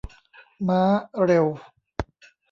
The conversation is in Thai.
ม้าเร็ว